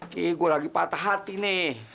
ki gue lagi patah hati nih